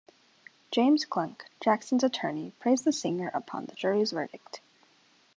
James Klenk, Jackson's attorney, praised the singer upon the jury's verdict.